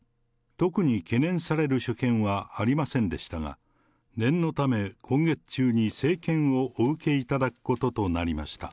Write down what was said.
特に懸念される所見はありませんでしたが、念のため、今月中に生検をお受けいただくこととなりました。